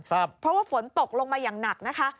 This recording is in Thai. เพราะว่าฝนตกลงมาอย่างหนักนะคะ